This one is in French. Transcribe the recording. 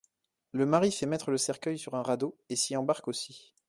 Le mari fait mettre le cercueil sur un radeau et s'y embarque aussi.